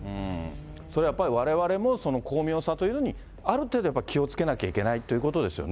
それはやっぱり、われわれも、巧妙さというのに、ある程度、やっぱり気をつけなきそうですね。